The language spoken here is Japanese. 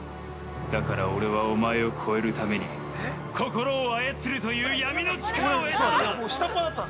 だから俺はお前を超えるために「心を操る」という闇の力を得たのだ！